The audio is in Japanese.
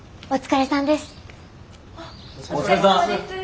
お疲れさんです。